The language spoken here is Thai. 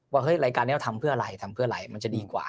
ว่าหลายกาลนี้เราทำเพื่ออะไรมันจะดีกว่า